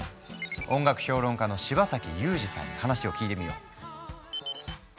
音楽評論家の柴崎祐二さんに話を聞いてみよう。